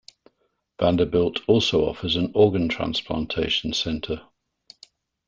Vanderbilt also offers an organ transplantation center.